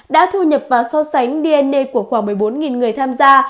đã thu nhập và so sánh dn của khoảng một mươi bốn người tham gia